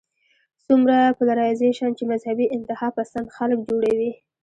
څومره پولرايزېشن چې مذهبي انتها پسند خلک جوړوي